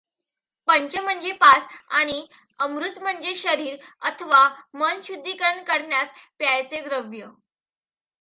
पंच म्हनजे पाच आनि अमृत म्हनजे शरीर अथवा मन शुद्धीकरन करण्यास प्यायचे द्रव्य.